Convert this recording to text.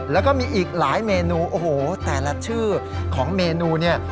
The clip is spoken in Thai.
แล้วก็มีอีกหลายเมนูโอ้โหแต่ละชื่อของเมนูเนี่ย